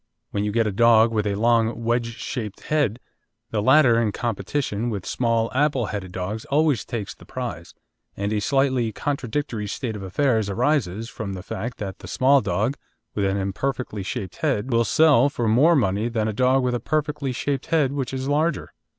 When you get a dog with a long wedge shaped head, the latter in competition with small "apple headed" dogs always takes the prize, and a slightly contradictory state of affairs arises from the fact that the small dog with an imperfectly shaped head will sell for more money than a dog with a perfectly shaped head which is larger.